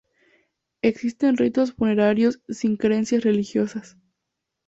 Existen ritos funerarios sin creencias religiosas.